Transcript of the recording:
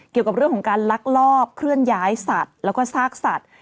เกี่ยวกับเรื่องของการลักลอบเคลื่อนย้ายสัตว์แล้วก็ซากสัตว์